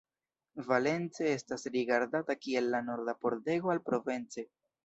Valence estas rigardata kiel la norda pordego al Provence.